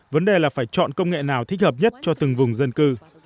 vấn đề là phải chọn công nghệ nào thích hợp nhất cho từng vùng dân cư